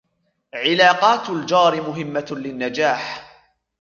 عِلاقاتُ الجارِ مُهِمّةٌ لِلنجاحِ